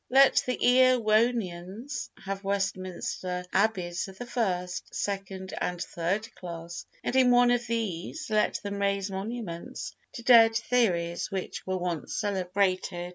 Let the Erewhonians have Westminster Abbeys of the first, second and third class, and in one of these let them raise monuments to dead theories which were once celebrated.